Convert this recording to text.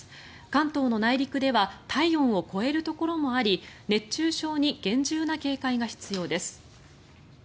関東の内陸では体温を超えるところもあり熱中症に厳重な警戒が必要です。